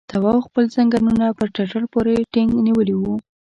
تواب خپل ځنګنونه پر ټټر پورې ټينګ نيولي وو.